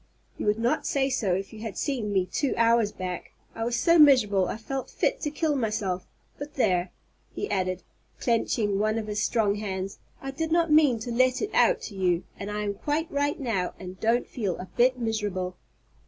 "You would not say so if you had seen me two hours back. I was so miserable I felt fit to kill myself; but there," he added, clenching one of his strong hands, "I did not mean to let it out to you, and I am quite right now and I don't feel a bit miserable."